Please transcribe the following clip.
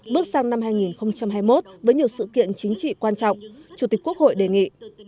bước sang năm hai nghìn hai mươi một với nhiều sự kiện chính trị quan trọng chủ tịch quốc hội đề nghị